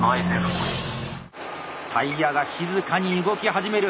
タイヤが静かに動き始める。